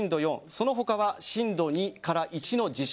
その他は震度２から１の地震。